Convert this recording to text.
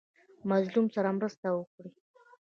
مظلوم سره مرسته وکړئ